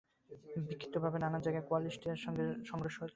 বিক্ষিপ্তভাবে নানান জায়গায় কোয়ালিস্টদের সঙ্গে সংঘর্ষ হচ্ছে।